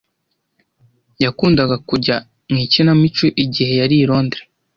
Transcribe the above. Yakundaga kujya mu ikinamico igihe yari i Londres.